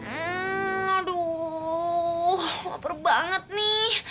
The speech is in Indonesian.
aduh wapar banget nih